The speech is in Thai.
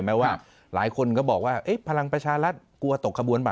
ว่าหลายคนก็บอกว่าพลังประชารัฐกลัวตกขบวนป่